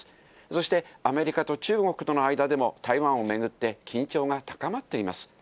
そしてアメリカと中国との間でも、台湾を巡って緊張が高まっています。